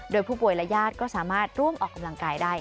โดยผู้ป่วยและญาติก็สามารถร่วมออกกำลังกายได้